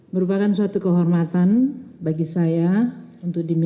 merupakan suatu kehormatan bagi saya untuk dimiliki